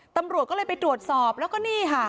ตำรวจก็เลยไปตรวจสอบแล้วก็นี่ค่ะ